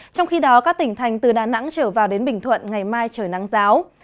trong khi đó các tỉnh thành từ đà nẵng trở vào đến bình thuận ngày mai trời nắng giáo